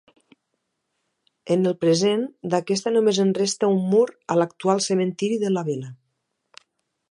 En el present, d'aquesta només en resta un mur a l'actual cementiri de la vila.